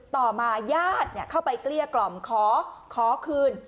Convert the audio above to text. ต่อมาญาติเข้าไปเกลี้ยกล่อมขอคืน